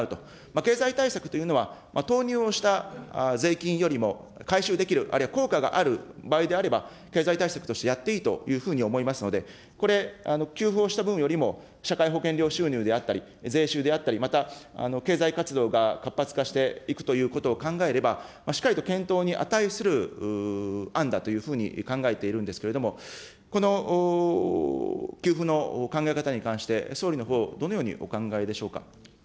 経済対策というのは、投入をした税金よりも、回収できる、あるいは効果がある場合であれば、経済対策としてやっていいというふうに思いますので、これ、給付をした分よりも、社会保険料収入であったり、税収であったり、また経済活動が活発化していくということを考えれば、しっかりと検討に値する案だというふうに考えているんですけれども、この給付の考え方に関して、総理のほう、どのようにお考えでしょうか。